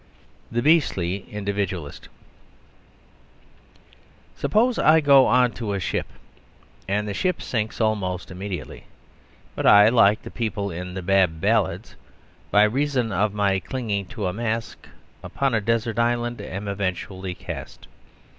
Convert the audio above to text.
The Beastly Individualist Suppose I go on to a ship, and the ship sinks almost immediately; but I (like the people in the Bab Ballads), by reason of my clinging to a mast, upon a desert island am eventually cast.